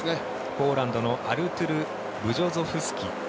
ポーランドのアルトゥル・ブジョゾフスキ。